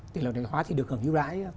tỷ lệ nội địa hóa thì được hưởng dưu rãi